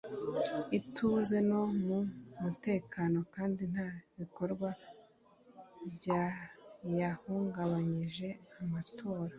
ituze no mu mutekano kandi nta bikorwa byayahungabanyije amatora